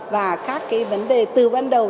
và các cái vấn đề từ ban đầu